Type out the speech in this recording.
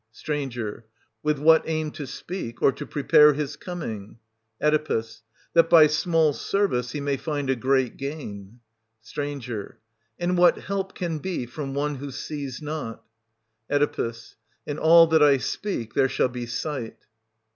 St. With what aim to speak, or to prepare his coming ? Oe. That by small service he may find a great gain. St. And what help can be from one who sees not } Oe. In all that I speak there shall be sight.